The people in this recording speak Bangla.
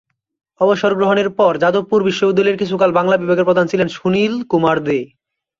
অবসর গ্রহণের পর যাদবপুর বিশ্ববিদ্যালয়ে কিছুকাল বাংলা বিভাগের প্রধান ছিলেন সুশীল কুমার দে।